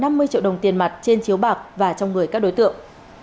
công an huyện nhân trạch đã đánh bạc trên chiếu bạc và trong người các đối tượng